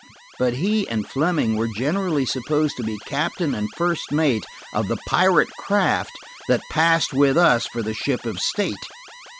But he and Fleming were generally supposed to be captain and first mate of the pirate craft that passed with us for the ship of state.